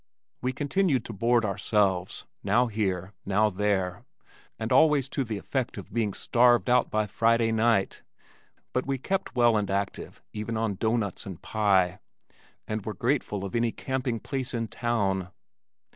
We continued to board ourselves, now here, now there, and always to the effect of being starved out by Friday night, but we kept well and active even on doughnuts and pie, and were grateful of any camping place in town.